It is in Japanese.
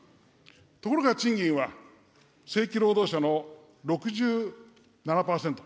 ところが、賃金は正規労働者の６７％。